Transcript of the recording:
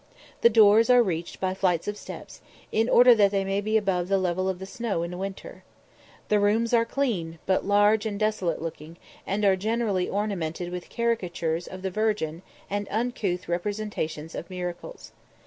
The doors are reached by flights of steps, in order that they may be above the level of the snow in winter. The rooms are clean, but large and desolate looking, and are generally ornamented with caricatures of the Virgin and uncouth representations of miracles.